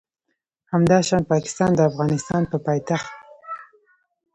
همداشان پاکستان د افغانستان په پایتخت